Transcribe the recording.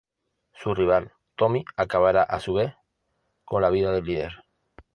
Su rival, Tommy, acabará a su vez con la vida del líder.